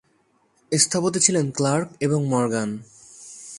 স্থপতি ছিলেন ক্লার্ক এবং মরগান।